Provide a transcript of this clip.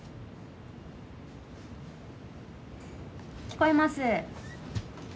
聞こえます。